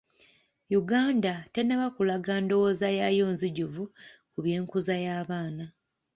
Yuganda tennaba kulaga ndowooza yaayo nzijuvu ku by'enkuza y'abaana.